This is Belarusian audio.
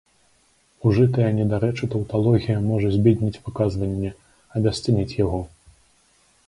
Ужытая недарэчы таўталогія можа збедніць выказванне, абясцэніць яго.